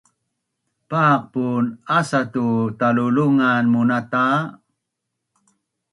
Paqpun asa tu talulungan munata